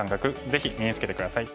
ぜひ身につけて下さい。